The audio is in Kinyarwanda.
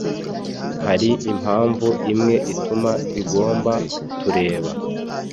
Hari impamvu imwe ituma bigomba kutubera